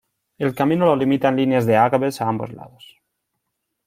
El camino lo limitan líneas de agaves a ambos lados.